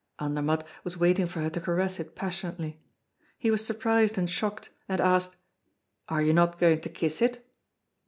Andermatt was waiting for her to caress it passionately. He was surprised and shocked, and asked: "Are you not going to kiss it?"